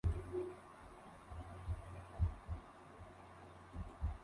Tres personas murieron en Nicaragua; uno por ahogamiento y dos por electrocución.